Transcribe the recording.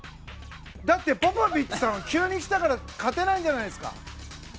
だってポポビッチ急に来たから勝てないんじゃないですか？